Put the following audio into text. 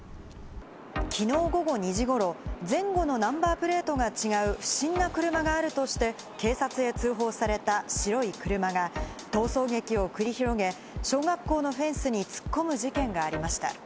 きのう午後２時頃、前後のナンバープレートが違う不審な車があるとして、警察へ通報された白い車が逃走劇を繰り広げ、小学校のフェンスに突っ込む事件がありました。